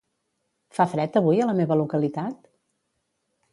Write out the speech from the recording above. Fa fred avui a la meva localitat?